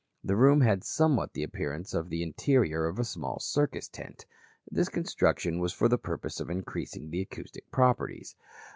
The room had somewhat the appearance of the interior of a small circus tent. This construction was for the purpose of increasing the acoustic properties.